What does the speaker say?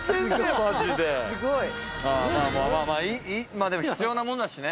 まあでも必要なものだしね。